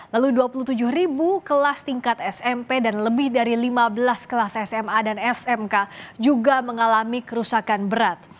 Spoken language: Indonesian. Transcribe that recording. lalu dua puluh tujuh ribu kelas tingkat smp dan lebih dari lima belas kelas sma dan smk juga mengalami kerusakan berat